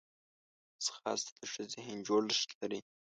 ځغاسته د ښه ذهن جوړښت لري